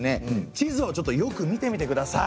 地図をよく見てみてください。